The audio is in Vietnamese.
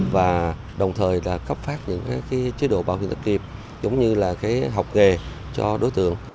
và đồng thời là cấp phát những chế độ bảo hiểm thất nghiệp giống như là học nghề cho đối tượng